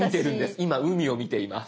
今海を見ています。